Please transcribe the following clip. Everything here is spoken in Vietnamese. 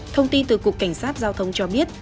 thông tin từ cục cảnh sát giao thông cho biết